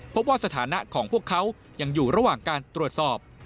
พบว่าสถานะของพวกเขายังอยู่ระหว่างการตรวจสอบ